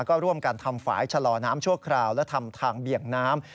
ก็ร่วมกันทำฝ่ายชะลอน้ำชั่วคราวและทำทางเบี่ยงน้ำ